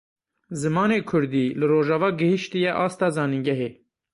Zimanê kurdî li Rojava gihîştiye asta zanîngehê.